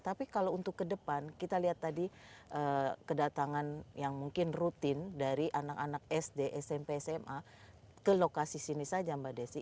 tapi kalau untuk ke depan kita lihat tadi kedatangan yang mungkin rutin dari anak anak sd smp sma ke lokasi sini saja mbak desi